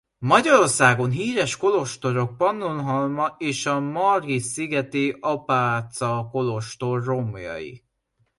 Magyarországon híres kolostorok Pannonhalma és a margitszigeti apácakolostor romjai.